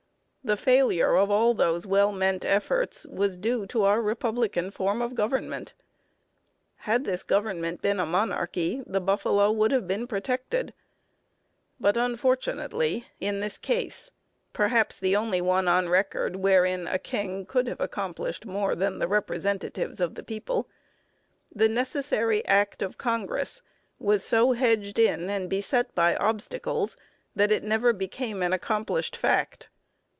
The failure of all those well meant efforts was due to our republican form of Government. Had this Government been a monarchy the buffalo would have been protected; but unfortunately in this case (perhaps the only one on record wherein a king could have accomplished more than the representatives of the people) the necessary act of Congress was so hedged in and beset by obstacles that it never became an accomplished fact.